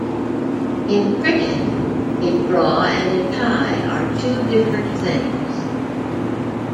In cricket, a draw and a tie are two different things.